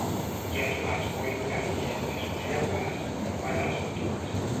Hi ha animals molt intel·ligents i sociables, com ara les cotorres